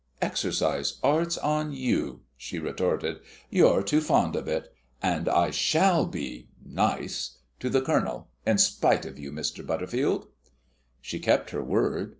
"Exercise arts on you!" she retorted. "You're too fond of it; and I shall be nice to the Colonel, in spite of you, Mr. Butterfield." She kept her word.